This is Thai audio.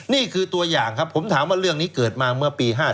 นี่คือตัวอย่างครับผมถามว่าเรื่องนี้เกิดมาเมื่อปี๕๗